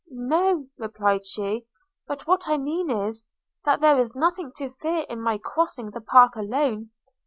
– 'No,' replied she; 'but what I mean is, that there is nothing to fear in my crossing the park alone.'